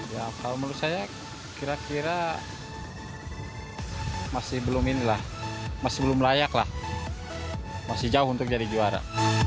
kalau menurut saya kira kira masih belum layak masih jauh untuk jadi juara